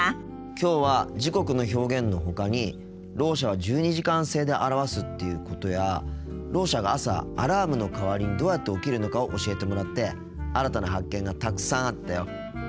きょうは時刻の表現のほかにろう者は１２時間制で表すっていうことやろう者が朝アラームの代わりにどうやって起きるのかを教えてもらって新たな発見がたくさんあったよ。